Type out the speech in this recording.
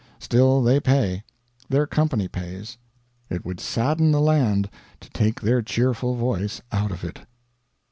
Still, they pay; their company pays; it would sadden the land to take their cheerful voice out of it.